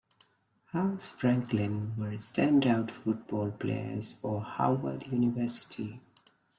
House Franklin were standout football players for Howard University.